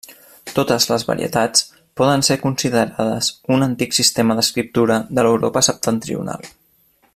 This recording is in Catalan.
Totes les varietats poden ser considerades un antic sistema d'escriptura de l'Europa septentrional.